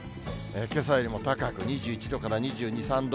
けさよりも高く、２１度から２２、３度。